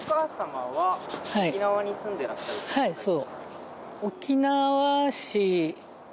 はいそう。